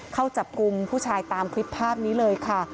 เข้าจับกลุ่มผู้ชายตามคลิปภาพนี้เลยค่ะ